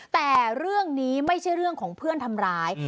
แต่เรื่องนี้ไม่ใช่เรื่องของเพื่อนทำร้าย